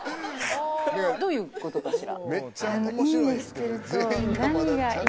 どういう事かしら？